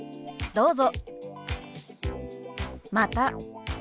どうぞ。